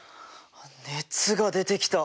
熱が出てきた。